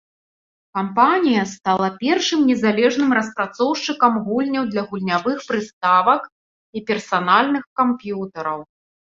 Кампанія стала першым незалежным распрацоўшчыкам гульняў для гульнявых прыставак і персанальных камп'ютараў.